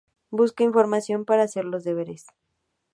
buscar información para hacer los deberes